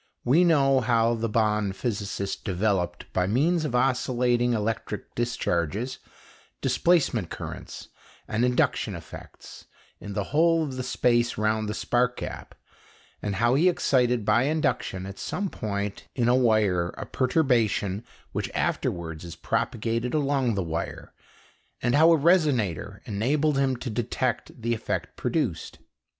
We know how the Bonn physicist developed, by means of oscillating electric discharges, displacement currents and induction effects in the whole of the space round the spark gap; and how he excited by induction at some point in a wire a perturbation which afterwards is propagated along the wire, and how a resonator enabled him to detect the effect produced.